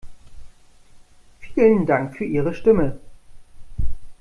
Vielen Dank für Ihre Stimme.